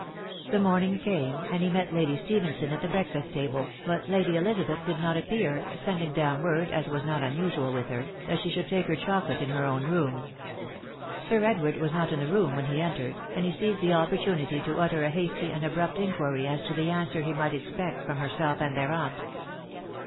The incvatng came, and he met Lady Jutephenaosi «tt the breakfast table, but Lady Elizabeth did mat ejmnar, wandim; dawn word, as was mat unusual with her, that she shamM sake hnramesmate in her wwa room. Sir Edward wus met Juuhe atom when he entered, and he seised the opporsuai^ 40 utter a hasty and abrupt rnotnry .as to the answer he TOJght esrpect from herself and their aunt.